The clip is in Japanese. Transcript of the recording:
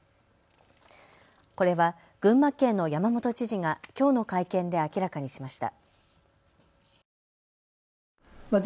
これは群馬県の山本知事がきょうの会見で明らかにしました。